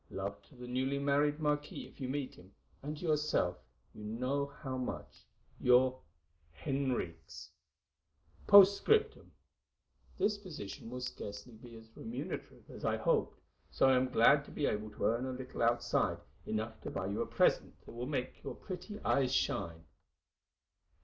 Love to the newly married marquis, if you meet him, and to yourself you know how much. "'Your "'HENRIQUES. "'POSTSCRIPTUM.—This position will scarcely be as remunerative as I hoped, so I am glad to be able to earn a little outside, enough to buy you a present that will make your pretty eyes shine.